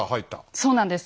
そうなんです。